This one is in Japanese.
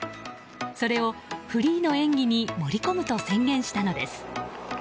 それをフリーの演技に盛り込むと宣言したのです。